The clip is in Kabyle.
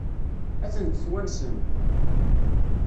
Ad tent-twansem?